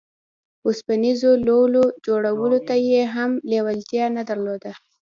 اوسپنيزو لولو جوړولو ته يې هم لېوالتيا نه درلوده.